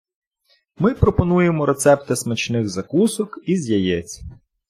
Ми пропонуємо рецепти смачних закусок із яєць.